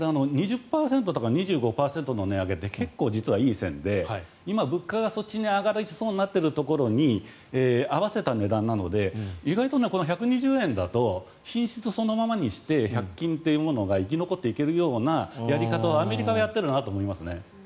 ２０％とか２５％の値上げって結構、実はいい線で今、物価がそっちに上がりそうになっているところに合わせた値段なので意外と１２０円だと品質そのままにして１００均というものが生き残っていけるようなやり方をアメリカはやってるなと思いますね。